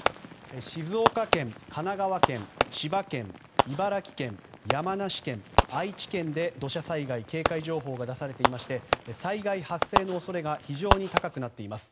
静岡県、神奈川県千葉県、茨城県山梨県、愛知県で土砂災害警戒情報が出されていて災害発生の恐れが非常に高くなっています。